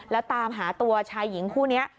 แล้วตามหาตัวชายหญิงคู่นี้